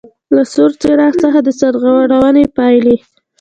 له سور څراغ څخه د سرغړونې پاېلې: